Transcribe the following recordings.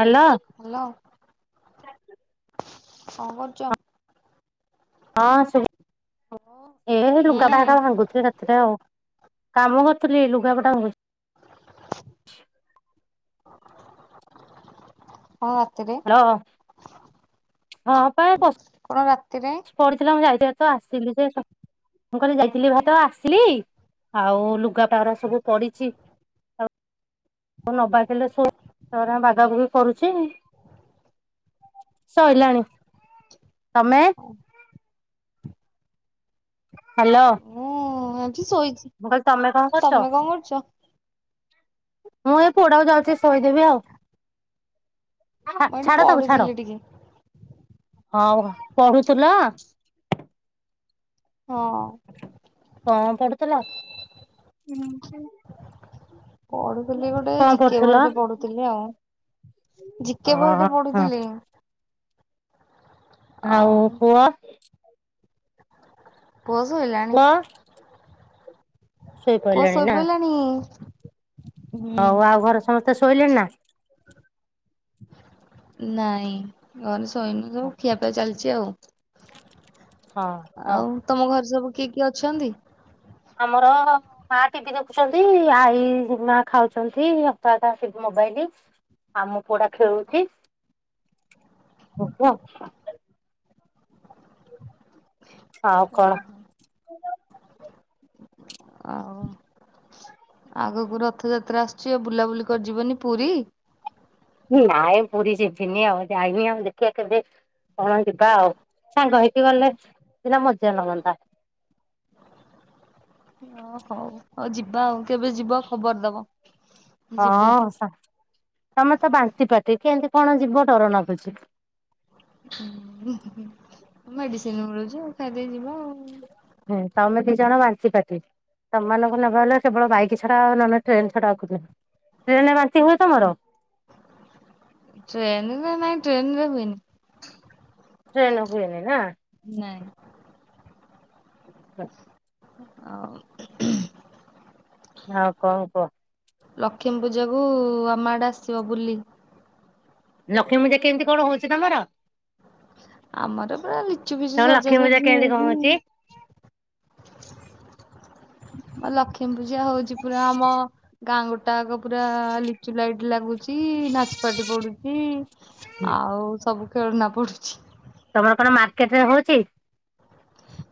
Hello. Hello କଣ କରୁଚ? ହଁ ଶୁଭୁ ଏ ହୁଁ ଲୁଗା ଟା ହେଟା ଭାଙ୍ଗୁଥିଲି ଏକାଥରେ ଆଉ। କାମ କରୁଥିଲି ଲୁଗାପଟା ଭା କଣ ରାତିରେ ହ୍ୟାଲୋ କଣ ରାତିରେ? ପଡ଼ିଥିଲା ମୁଁ [unintelligible] ଆସିଲି ଯେ [unintelligible] ମୁଁ କହିଲି ଯାଇଥିଲି ଭେରି ତ ଆସିଲି ଆଉ ଲୁଗା [unintelligible] ସବୁ ପଡ଼ିଛି ମୁଁ ନବାରେ ଥିଲେ ସୋ ସେରା ବାଗାବୁଗି କରୁଛି। ସଇଲାଣି ତମେ? ହଁ ହ୍ୟାଲୋ ମୁଁ ଏଠି ଶୋଇଛି ମୁଁ କହିଲି ତମେ କଣ କରୁଛ? ତମେ କଣ ମୁଁ ଏଇ ପୁଅଟା କୁ ଯାଉଛି ଶୋଇଦେବି ଆଉ। ମୁଁ ଏଠି ଛାଡ଼ ତାକୁ ଛାଡ଼ ପଢୁଥିଲି ଟିକେ ହଉ ପଢ଼ୁଥିଲା। ହଁ। କଣ ପଢ଼ୁଥିଲା - ପଢୁଥିଲି ଗୋଟେ ଜିକେ ବହିଟେ ପଢୁଥିଲି ଆଉ। ଜିକେ ଓହୋ ବହିଟେ ହଁ ପଢୁଥିଲି। ଆଉ ପୁଅ? ପୁଅ ଶୋଇଲାଣି ପୁଅ ପୁଅ ଶୋଇପଇଲାଣି ନା ଶୋଇପଡ଼ିଲାଣି। ହଉ ଆଉ ଘରେ ସମସ୍ତେ ଶୋଇଲେଣି ନା? ନାଇଁ ଘରେ ଶୋଇନୁ ସବୁ ଖିଆପିଆ ଚାଲିଛି ଆଉ। ହଁ ହଁ ଆଉ ତମ ଘରେ ସବୁ କିଏ କିଏ ଅଛନ୍ତି?? ଆମର ମା ଟିଭିି ଦେଖୁଛନ୍ତି ଆଇ ମା ଖାଉଛନ୍ତି ଅପା [unintelligible] ମୋବାଇଲ୍। ଆମ ପୁଅ ଟା ଖେଳୁଛି [unintelligible] ଆଉ କଣ? ଆଉ ଆଗକୁ ରଥଯାତ୍ରା ଆସୁଛି ଆଉ ବୁଲାବୁଲି କରିଯିବନି ପୁରୀ। ନାଇଁ ପୁରୀ ଯିବିନି ଆଉ ଯାଇନି ଆଉ ଦେଖିବା କେବେ କଣ ଯିବା ଆଉ ସାଙ୍ଗ ହେଇକି ଗଲେ ସିନା ମଜା ଲାଗନ୍ତା। ଓ ହଉ ହଉ ଯିବା ଆଉ କେବେ ଯିବା ଖବର ଦବ। ଯିବୁ। ହଁ ତମେ ତ ବାନ୍ତି ପାଟି କେମିତି କଣ ଯିବ ଡ଼ର ଲାଗୁଛି। ମେଡ଼ିସିନ୍ ମିଳୁଛି ଆଉ ଖାଇଦେଇ ଯିବା ଆଉ। ହୁଁ ତମେ ଦି ଜଣ ବାନ୍ତି ପାର୍ଟି। ତମ ମାନଙ୍କୁ ନେବା ହେଲେ କେବଳ ବାଇକ୍ ଛଡ଼ା ଆଉ ନହେଲେ ଟ୍ରେନ୍ ଛଡ଼ା ଆଉ [unintelligible] ଟ୍ରେନ୍ ରେ ବାନ୍ତି ହୁଏ ତମର? ଟ୍ରେନ୍ ରେ ନାଇଁ ଟ୍ରେନ୍ ରେ ହୁଏନି। ଟ୍ରେନ ରେ ହୁଏନି ନା? ନାଇଁ। [inaudible] ଆଉ ଆଉ କଣ କୁହ। ଲକ୍ଷ୍ମୀ ପୂଜାକୁ ଆମ ଆଡ଼େ ଆସିବ ବୁଲି। ଲକ୍ଷ୍ମୀ ପୂଜା କେମିତି କଣ ହଉଛି ତମର? ଆମର ପୁରା ଲିଚୁ ଫିଚୁ ତମ ଲକ୍ଷ୍ମୀ ପୂଜା ସଜାସଜି କେମିତି କଣ ହେଇକି ହଉଛି? ଲକ୍ଷ୍ମୀ ପୂଜା ହଉଛି ପୁରା ଆମ ଗାଁ ଗୋଟାଅକ ପୁରା ଲିଚୁ ଲାଇଟ୍ ଲାଗୁଛି ନାଚ ପାର୍ଟି ପଡୁଛି। ଆଉ ସବୁ ଖେଳନା ପଡୁ ତମର କଣ ମାର୍କେଟ ରେ ହଉଛି?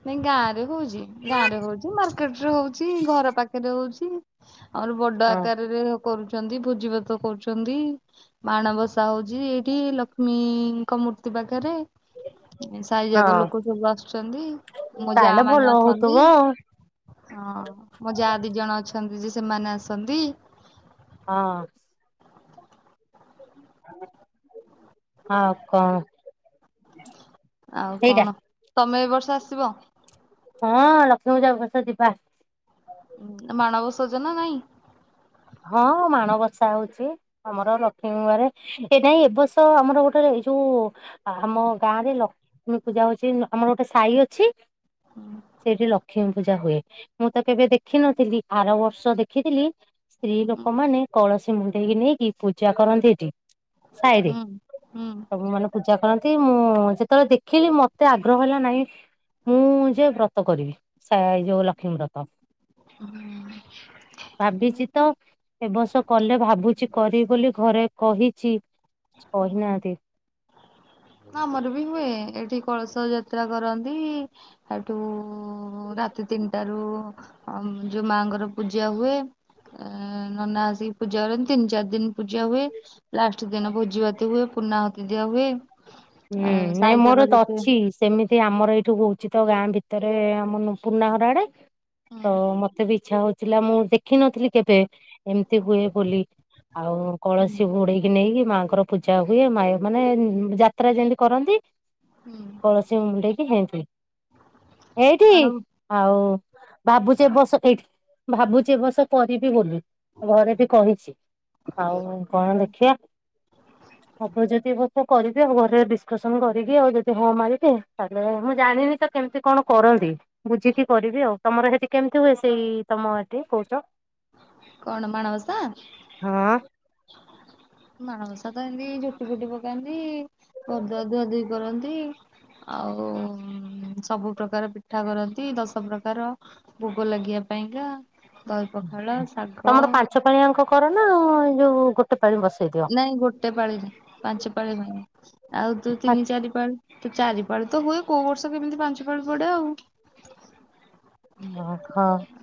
ନାଇଁ ଗାଁ ରେ ହଉଛି ଗାଁ ରେ ହଉଛି ମାର୍କେଟ ରେ ହଉଛି ଘର ପାଖରେ ହଉଛି। ଆମର ବଡ ହଁ ଆକାରରେ କରୁଛନ୍ତି ଭୋଜି ଭାତ କରୁଛନ୍ତି। ମାଣବସା ହଉଛି ଏଇଠି ଲକ୍ଷ୍ମୀଙ୍କ ମୂର୍ତ୍ତି ପାଖରେ। ଏ ସାହି ଯାକ ହଁ ଲୋକ ସବୁ ଆସୁଛନ୍ତି ମୋ ଯା ତାହେଲେ ଭଲ ମାନେ ହଉଥିବ ଆସନ୍ତି। ହଁ ମୋ ଯା ଦି ଜଣ ଅଛନ୍ତି ଯେ ସେମାନେ ଆସନ୍ତି। ହଁ। ଆଉ କଣ? ଆଉ ସେଇଟା କଣ ତମେ ଏ ବର୍ଷ ଆସିବ? ହଁ ଲକ୍ଷ୍ମୀ ପୂଜା ଏ ବର୍ଷ ଯିବା। ଉଁ ମାଣ ବସଉଛ ନା ନାଇଁ? ହଁ ମାଣବସା ହଉଛି। ଆମର ଲକ୍ଷ୍ମୀବାରେ ଏଇଟା ହିଁ ଏବର୍ଷ ଆମର ଗୋଟେ ଏଇ ଯୋଉ। ଆ-ଆମ ଗାଁ ରେ ଲ ଷ୍ମୀ ପୂଜା ହଉଛି ନ ଆମର ଗୋଟେ ସାହି ଅଛି। ସେଇଠି ଲକ୍ଷ୍ମୀ ପୂଜା ହୁଏ। ମୁଁ ତ କେବେ ଦେଖିନଥିଲି ଆର ବର୍ଷ ଦେଖିଥିଲି ସ୍ତ୍ରୀ ହୁଁ ଲୋକମାନେ କଳସ ମୁଣ୍ଡେଇକି ନେଇକି ପୂଜା କରନ୍ତି ସେଠି ସାହିରେ ହୁଁ ହୁଁ ସବୁ ମାନ ପୂଜା କରନ୍ତି ମୁଁ ଯେତେବେଳେ ଦେଖିଲି ମତେ ଆଗ୍ରହ ହେଲା ନାହିଁ। ମୁଁ ଯେ ବ୍ରତ କରିବି ସା ଯୋଉ ଲକ୍ଷ୍ମୀ ବ୍ରତ। ହୁଁ। ଭାବିଛି। ତ ଏବର୍ଷ କଲେ ଭାବୁଛି କରିବି ବୋଲି ଘରେ କହିଛି। ହୁଁ। କହିନାହାନ୍ତି। ଆମର ବି ହୁଏ ଏଠି କଳସ ଯାତ୍ରା କରନ୍ତି। ସେଠୁ ରାତି ତିନିଟାରୁ। ଆ ମ ଯୋଉ ମାଙ୍କର ପୂଜା ହୁଏ। ଆ ନନା ଆସିକି ପୂଜା କରନ୍ତି ତିନି ଚାରି ଦିନ ପୂଜା ହୁଏ। ଲାଷ୍ଟ ଦିନ ଭୋଜି ଭାତି ହୁଏ ପୁର୍ଣାହୁତି ଦିଆ ହୁଏ। ହୁଁ ଆଉ ନାଇଁ ସାଇ ଯାକ ମୋର ତ ଯେତେ ଅଛି। ସେମିତି ଆମର ଏଇଠୁ ହଉଛି ତ ଗାଁ ଭିତରେ ଆମ ନୁ ପୁରୁଣା ଘର ଆଡେ। ତ ମତେ ବି ଇଚ୍ଛା ହଉଥିଲା ମୁଁ ଦେଖିନଥିଲି କେବେ ଏମିତି ହୁଏ ବୋଲି। ଆଉ ହୁଁ କଳସୀ ଘୋଡେଇକି ନେଇକି ମାଆଙ୍କର ପୂଜା ହୁଏ ମାୟ ମାନେ ଜା ଯାତ୍ରା ଯେମିତି କରନ୍ତି କଳସୀ ମୁଣ୍ଡେଇକି ହେମିତି ଏଇଠି। କଣ ଆଉ ଭାବୁଚି ଏ ବର୍ଷ ଏଇଠି ଭାବୁଚି ଏ ବର୍ଷ କରିବି ବୋଲି। ଘରେ ବି କହିଛି ଆଉ କଣ ଦେଖିବା। ହବ ଯଦି ହବ କରି ଆଉ ଘରେ ଡିସକସନ କରିକି ଆଉ ଯଦି ହଁ ମାରିିବେ ତାହେଲେ ମୁଁ ଜାଣିନି ତ କେମିତି କଣ କରନ୍ତି। ବୁଝିକି କରିବି ଆଉ ତମର ସେଠି କେମିତି ହୁଏ ସେଇ ତମ ଏଠି କହୁଛ? କଣ ମାଣବସା? ହଁ। ମାଣବସା ତ ଏମିତି ଝୋଟି ପୋଟି ପକାନ୍ତି ଓ ଦୁଆ ଧୁଆଧୁଇ କରନ୍ତି। ଆଉ ଉଁ ସବୁ ପ୍ରକାର ପିଠା କରନ୍ତି ଦଶ ପ୍ରକାର। ଭୋଗ ଲାଗୀଆ ପାଇଁକା ଦହି ପଖାଳ ଶାଗ। ତମର ପାଞ୍ଚ ପାଳିଆଙ୍କ କର ନା ଯୋଉ ଗୋଟେ ପାଳି ବସେଇଦି ନାଇଁ ଗୋଟେ ପାଳି ହୁଏ ପାଞ୍ଚ ପାଳି ହୁଏନି ଆଉ ଯୋଉ ତିନି ଚାରି ପାଳି। ତ ଚାରିପାଳି ତ ହୁଏ କୋଉ ବର୍ଷ କେମିତି ପାଞ୍ଚ ପାଳି ପଡେ ଆଉ। ନ ଖ।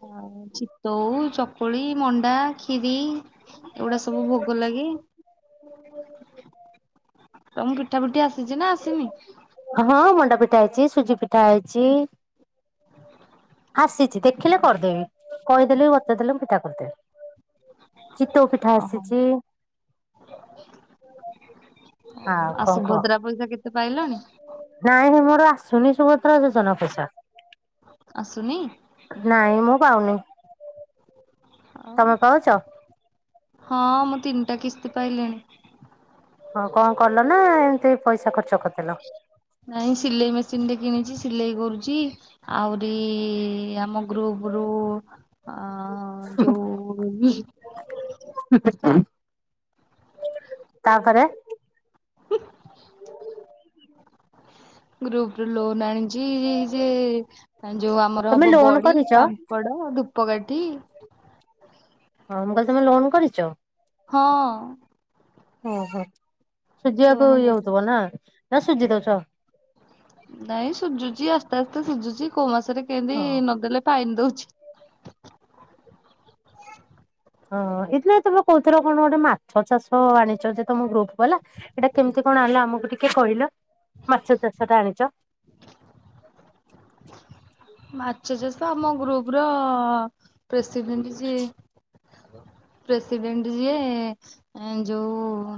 ଆଉ ଚିତଉ, ଚକୁଳି, ମଣ୍ଡା, କ୍ଷୀରି। ଏଗୁଡା ସବୁ ଭୋଗ ଲାଗେ। ହ ତ ମୁଁ ପିଠା ପିଠି ଆସିଛି ନା ଆସିନି? ହଁ ମଣ୍ଡା ପିଠା ହେଇଛି ସୁଜି ପିଠା ହେଇଛି। ଆସିଛି ଦେଖିଲେ କରିଦେବି କହିଦେଲେ ବି ବଚେଇ ଦେଲେ ମୁଁ ପିଠା କରିଦେବି। ଚିତଉ ପିଠା ଓହୋ ଆସିଛି। [unintelligible] ହଁ ଆଉ କ'ଣ କହ? ସୁଭଦ୍ରା ପଇସା କେତେ ପାଇଲଣି? ନାଇଁ ସେ ମୋର ଆସୁନି ସୁଭଦ୍ରା ଯୋଜନା ପଇସା। ଆସୁନି ନାଇଁ ମୁଁ ପାଉନି। ଆଉ ତମେ ପାଉଛ? ହଁ ମୁଁ ତିନିଟା କିସ୍ତି ପାଇଲିଣି। ହଁ କଣ କଲ ନା? ଏମିତି ପଇସା ଖର୍ଚ୍ଚ କରିଦେଲ। ନାଇଁ ସିଲେଇ ମେସିନଟରେ କିଣିଛି ସିଲେଇ କରୁଛି। ଆହୁରି ଆମ ଗ୍ରୁପ ରୁ ଆମର ଆ ଯୋଉ [inaudible] ତାପରେ [unintelligible] ଗ୍ରୁପ ର ଲୋନ୍ ଆଣିଛି। ଯେ ଯୋଉ ଆମର ତମେ ହବ ଲୋନ ବଡି କରିଛ? ପାମ ପଡ ଧୂପକାଠି ହଁ ମୁଁ କହିଲି ତମେ ଲୋନ୍ କରିଛ? ହଁ ଓହୋ ଲୋନ ସୁଜିିବାକୁ ଇଏ କରୁଛି ହଉଥିବ ନା ନା ସୁଜି ଦଉଛ ଆଉ ନାଇଁ ସୁଝୁଛି ଆସ୍ତେ ଆସ୍ତେ ସୁଝୁଛି କୋଉ ମାସରେ ହଁ କେମିତି ନଦେଲେ ଫାଇନି ଦଉଛି ହଁ ଏଇ ଦିନେ ତମେ କହୁଥିଲ କଣ ଗୋଟେ ମାଛ ଚାଷ ଆଣିଛ ଯେ ତମ ଗ୍ରୁପ ବାଲା ଏଇଟା କେମିତି କଣ ଆଣିଲ ଆମକୁ ଟିକେ କହିଲ ମାଛ ଚାଷ ଟା ଆଣିଛ ମାଛ ଚାଷ ଆମ ଗ୍ରୁପ ର ପ୍ରେସିଡେଣ୍ଟ ଯିଏ ପ୍ରେସିଡେଣ୍ଟ ଯିଏ ଯୋଉ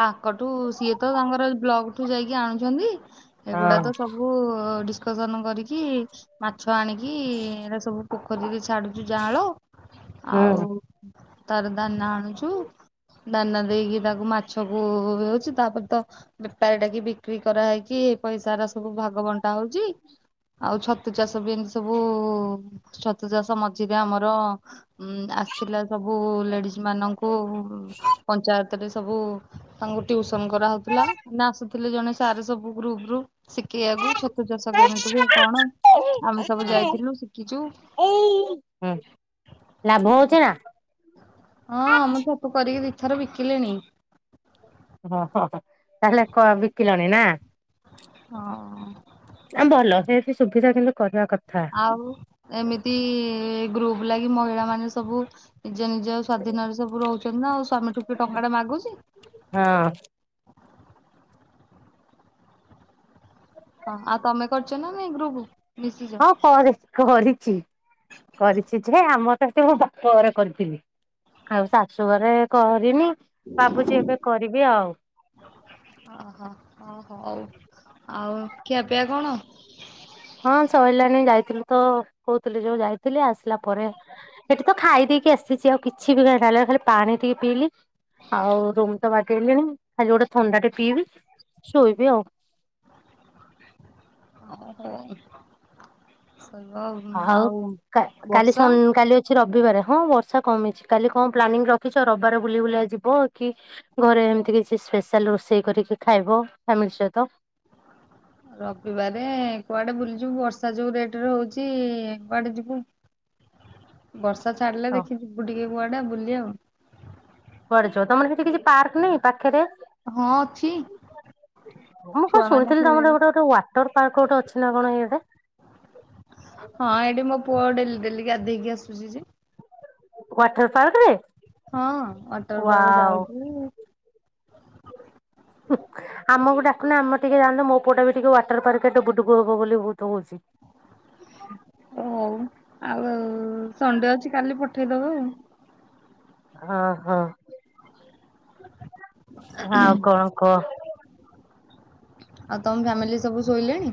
ତାଙ୍କଠୁ ସିଏ ତ ତାଙ୍କର ବ୍ଲକ ଠୁ ଯାଇକି ଆଣୁଛନ୍ତି। ଏଗୁଡା ତ ହଁ ସବୁ ଡିସ୍କ ଶିକସନ କରିକି ମାଛ ଆଣିକି ଏଟ ସବୁ ପୋଖରୀରେ ଛାଡୁଛୁ ଜାଁଳ। ହୁଁ। ଆଉ ତାର ଦାନା ଆଣୁଛୁ। ଦାନା ଦେଇକି ତାକୁ ମାଛକୁ ହେଉଛି ତାପରେ ତ ବେପାରୀ ଡାକି ବିକ୍ରି କରାହେଇକି ପଇସା ର ସବୁ ଭାଗ ବଣ୍ଟା ହଉଚି। ଆଉ ଛତୁ ଚାଷ ବି ଏମିତି, ସବୁ ଛତୁ ଚାଷ ମଝିରେ ଆମର ଉ ଆସିଥିଲା ସବୁ ଲେଡିଜି ମାନଙ୍କୁ ପଞ୍ଚାୟତରେ ସବୁ ତାଙ୍କୁ ଟ୍ୟୁସନ କରାହଉଥିଲା, ମେ ଆସୁଥିଲେ ଜଣେ ସାର୍ ସବୁ ଗ୍ରୁପ ଗ୍ରୁପ ଶିଖେଇବାକୁ ଛତୁ ଚାଷ କେମିତି ହୁଏ କଣ, ଆମେ ସବୁ ଯାଇଥିଲୁ ଶିଖିଛୁ। ଏଇ ହଁ ଲାଭ ହଉଛି ନା? ହଁ ମୁଁ ଛତୁ କରିକି ଦିଥର ବିକିଲିଣି। ଓ ହୋ ହୋ ତାହେଲେ କ ବିକିଲଣି ନା? ହଁ ଭଲ ସେ ବି ସୁବିଧା କିନ୍ତୁ କରିବା କ ଆଉ ଏମିତି ଗ୍ରୁପ ଲାଗି ମହିଳା ମାନେ ସବୁ ନିଜ ନିଜ ସ୍ଵାଧୀନ ରେ ସବୁ ରହୁଛନ୍ତି ନା ଆଉ ସ୍ଵାମୀଠୁ ଟଙ୍କା ଟା ମାଗୁଛି। ହଁ ହଁ ଆଉ ତମେ କରିଛ ନାଇ ଗ୍ରୁପ ମିଶିଛ ହଁ କରି କରିଛି କରିଛି ଯେ ଆମର ତ ଏତ ମୋ ବାପା ଘର କରିଥିଲି। ଆଉ ଶାଶୁଘରେ କରିନି ଭାବୁଛି ଏବେ କରିବି। ଆଉ ଓହୋ ଓହୋଉ ଆଉ ଖିଆ ପିଆ କଣ? ହଁ ସରିଲାଣି ଯାଇଥିଲୁ ତ, କହୁଥିଲି ଯୋଉ ଯାଇଥିଲି ଆସିଲା ପରେ ସେଠି ତ ଖାଇ ଦେଇେଇକି ଆସିଛି। ଆଉ କିଛି ବି କାଇଁ ନ ଖାଲି ପାଣି ଟିକେ ପିଇଲି ଆଉ ରୁମ ତ ବାଗେଇଲିଣି। ଖାଲି ଗୋଟେ ଥଣ୍ଡାଟେ ପିଇବି ଶୋଇବି ଆଉ। ହଁ ହଉ ଆଉ ବର୍ଷା? ଆଜି ରବିବାର ହଁ ବର୍ଷା କମିଛି କାଲି କଣ ପ୍ଲାନିଂ ରଖିଛ ରବିବାର ବୁଲି ବୁଲା ଯିବ କି ଘରେ ଏମିତି କିଛି ସ୍ପେଶାଲ ରୋଷେଇ କରିକି ଖାଇବ ଫାମିଲି ସହିତ। ରବିବାରେ କୁଆଡ଼େ ବୁଲିଯିବୁ ବର୍ଷା ଯୋଉ ରେଟ ରେ ହଉଛି କୁଆଡ଼େ ଯିବୁ? ବର୍ଷା ଛାଡ଼ିଲେ ଦେଖିବୁ ଟିକେ କୁଆଡ଼େ ବୁଲି ଆଉ। [unintelligible] ତମର ସେଠି କିଛି ପାର୍କ ନାହିଁ ପାଖରେ? ହଁ ଅଛି ମୁଁ କଣ ଛୁଆ ମାନେ ଶୁଣିଥିଲି ଖେଳ ତମର ଗୋଟେ ଗୋଟେ ୱା ଟର ପାର୍କ ଗୋଟେ ଅଛି ନା କଣ ଇଏଟେ। ହଁ ଏଇଠି ମୋ ପୁଅ ଡେଲି ଡେଲିକି ଗାଧେଇକି ଆସୁଛି ଯେ। ୱାଟର୍ ପାର୍କରେ? ହଁ ୱାଟର୍ ପାର୍କ ଯାଉଛି। ଆମକୁ ଡାକୁନି ଆମ ଟିକେ ଯାଆନ୍ତୁ ମୋ ପୁଅଟା ବି ଟିକେ ୱାଟର ପାର୍କ ଡବୁଡୁବୁ ହବ ବୋଲି ବହୁତ ହଉଛି। ହଉ ଆଉ ସଣ୍ଡେ ଅଛି କାଲି ପଠେଇଦବ ଆଉ। ହଁ ହଁ ହଁ ଆଉ କଣ କହ? ଆଉ ତମ ଫ୍ୟାମିଲି ସବୁ ଶୋଇଲେଣି?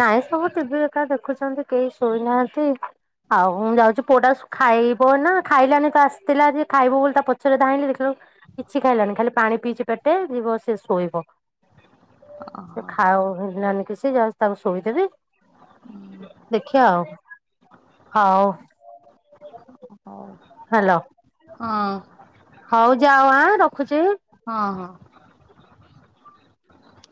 ନାଇଁ ସବୁ ଟିଭି ଏକା ଦେଖୁଛନ୍ତି କେହି ଶୋଇନାହାନ୍ତି। ଆଉ ମୁଁ ଯାଉଛି ପୁଅଟା ଖାଇବ ନା ଖାଇଲାଣି ତ ଆସିଥିଲା ଯେ ଖାଇବ ବୋଲି ତା ପଛରେ [unintelligible] କିଛି ଖାଇଲାନି ଖାଲି ପାଣି ପିଇଛି ପେଟେ ଯିବ ସେ ଶୋଇବ। ସେ ଓହୋ ଖାାଉ ନା କିଛି ଯାଉ ତାକୁ ଶୋଇଦେବି ଦେଖିବା ଆଉ ହଉ। ହଉ। ହ୍ୟାଲୋ ହଁ। ହଉ ଯାଅ ଆଁ ରଖୁଛି। ହଁ ହଁ।